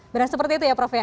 beras seperti itu ya prof ya